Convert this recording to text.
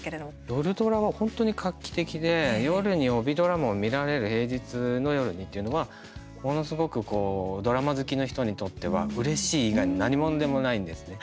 夜ドラは本当に画期的で夜に帯ドラマを見られる平日の夜にというのはものすごくドラマ好きの人にとってはうれしい以外の何物でもないんですね。